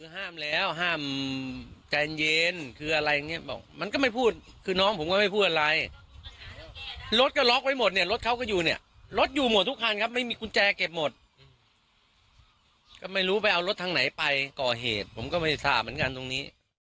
ห้ามแล้วห้ามใจเย็นคืออะไรอย่างนี้บอกมันก็ไม่พูดคือน้องผมก็ไม่พูดอะไรรถก็ล็อกไว้หมดเนี่ยรถเขาก็อยู่เนี่ยรถอยู่หมดทุกคันครับไม่มีกุญแจเก็บหมดก็ไม่รู้ไปเอารถทางไหนไปก่อเหตุผมก็ไม่ทราบเหมือนกันตรงนี้